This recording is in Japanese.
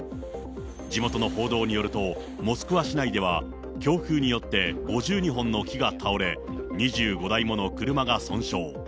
地元の報道によると、モスクワ市内では、強風によって、５２本の木が倒れ、２５台もの車が損傷。